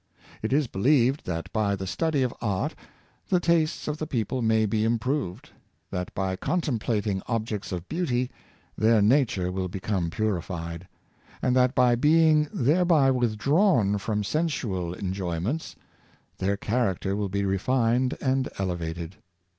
It is believed that by the study of art, the tastes of the people may be improved; that by contemplating ob jects of beauty their nature will become purified; and that by being thereby withdrawn from sensual enjoyments, their character will be refined and elevated.